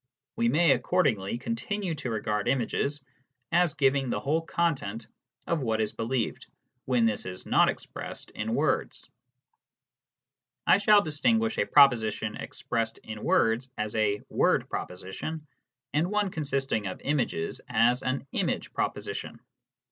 We may accordingly continue to regard images as giving the whole content of what is believed, when this is not expressed in words. I shall distinguish a proposition expressed in words as a " word proposition," and one consisting of images as an " image proposition."